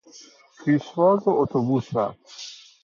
پیشواز اتوبوس رفتن